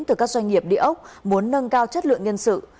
từ các doanh nghiệp địa ốc muốn nâng cao chất lượng nhân sự